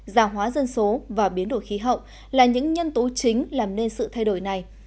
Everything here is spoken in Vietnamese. giả hóa dân số và biến đổi khí hậu là những nhân tố chính làm nên sự thay đổi này